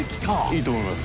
いいと思います